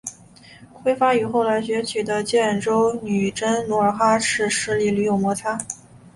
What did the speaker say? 辉发与后来崛起的建州女真努尔哈赤势力屡有摩擦。